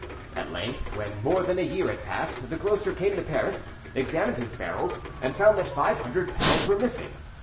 At length, when more than a year had passed, the grocer came to Paris, examined his barrels, and found that five hundred pounds were missing.